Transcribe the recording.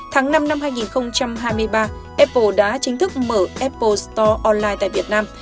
tháng năm năm hai nghìn hai mươi ba apple đã chính thức mở apple store online tại việt nam